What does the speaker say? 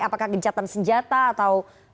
apakah gencatan senjata atau